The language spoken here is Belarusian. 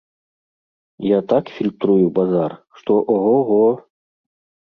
Я так фільтрую базар, што о-го-го!